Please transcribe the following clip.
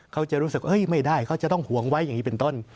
เขาจะรู้สึกไม่ได้เขาจะต้องห่วงไว้อย่างนี้เป็นต้น